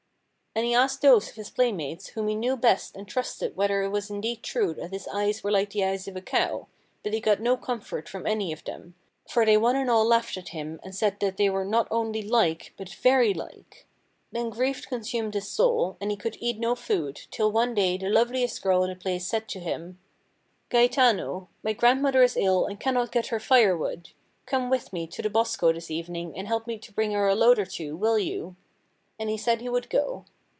And he asked those of his playmates whom he best knew and trusted whether it was indeed true that his eyes were like the eyes of a cow, but he got no comfort from any of them, for they one and all laughed at him and said that they were not only like, but very like. Then grief consumed his soul, and he could eat no food, till one day the loveliest girl in the place said to him: "Gaetano, my grandmother is ill and cannot get her firewood; come with me to the bosco this evening and help me to bring her a load or two, will you?" And he said he would go.